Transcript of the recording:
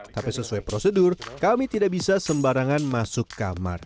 tapi sesuai prosedur kami tidak bisa sembarangan masuk kamar